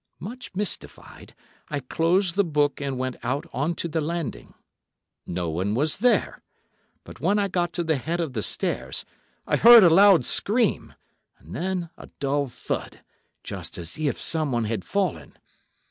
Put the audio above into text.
Much mystified, I closed the book and went out on to the landing. No one was there; but when I got to the head of the stairs, I heard a loud scream, and then a dull thud, just as if someone had fallen.